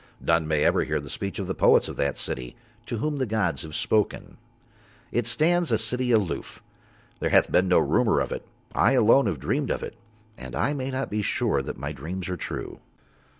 None may ever hear the speech of the poets of that city, to whom the gods have spoken. It stands a city aloof. There hath been no rumour of it—I alone have dreamed of it, and I may not be sure that my dreams are true.